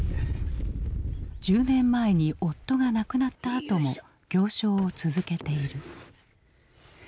１０年前に夫が亡くなったあとも行商を続けている。